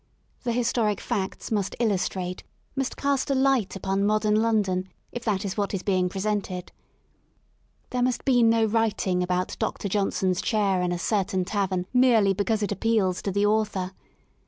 The historic facts must illustrate, must cast a light upon modern London , if that is what is being pre sented There must be no writing about Dn Johnson's chair in a certain tavern merely because it appeals to the author.